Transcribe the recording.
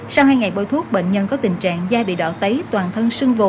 sau hai ngày vẫy thuốc bệnh nhân có tình trạng da bị đỏ tấy toàn thân sưng vồ